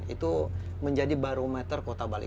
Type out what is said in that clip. itu menjadi barometer